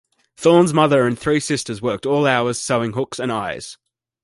Thorne's mother and three sisters worked all hours sewing hooks and eyes.